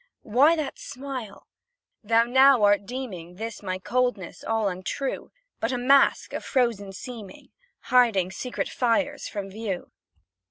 Why that smile? Thou now art deeming This my coldness all untrue, But a mask of frozen seeming, Hiding secret fires from view.